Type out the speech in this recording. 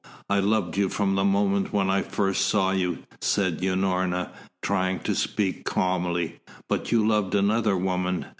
"I loved you from the moment when I first saw you," said Unorna, trying to speak calmly. "But you loved another woman.